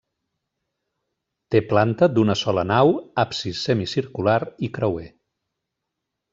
Té planta d'una sola nau, absis semicircular i creuer.